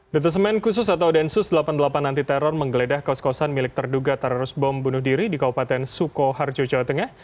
detesemen khusus atau densus delapan puluh delapan anti teror menggeledah kaos kosan milik terduga teroris bom bunuh diri di kabupaten sukoharjo jawa tengah